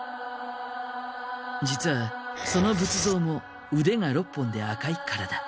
実はその仏像も腕が６本で赤い体。